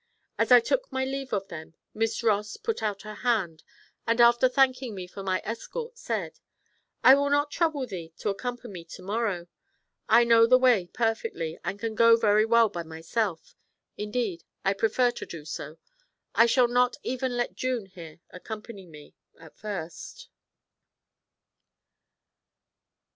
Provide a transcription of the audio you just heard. As I took my leave of them, Miss Ross put out her hand, and, after thanking me for my escort, said: 'I will not trouble thee to accompany me to morrow; I know the way perfectly, and can go very well by myself. Indeed I prefer to do so. I shall not even let June here accompany me at first.'